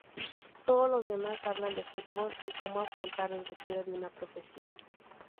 Todos los demás hablan de Fútbol y Como afrontar el retiro en una profesión.